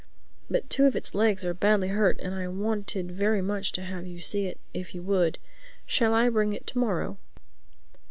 But two of its legs are badly hurt and I wanted very much to have you see it, if you would. Shall I bring it to morrow?"